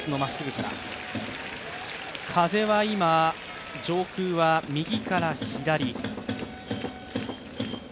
風は今、上空は右から左。